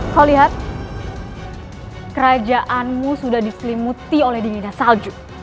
kau lihat kerajaanmu sudah diselimuti oleh dingin dan salju